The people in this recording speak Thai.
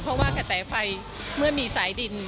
เพราะว่ากระแสไฟเมื่อมีสายดิน